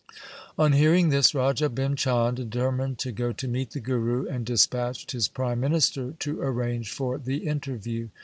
On hearing this Raja Bhim Chand determined to go to meet the Guru, and dispatched his prime minister to arrange for the interview.